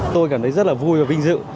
tôi cảm thấy rất là vui và vinh dự